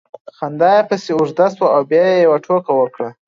خندا یې پسې اوږده سوه او بیا یې یوه ټوکه وکړه